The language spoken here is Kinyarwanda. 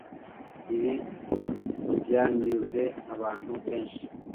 Ibi byanyuze abantu benshi